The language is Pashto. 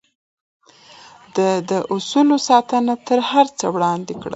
ده د اصولو ساتنه تر هر څه وړاندې کړه.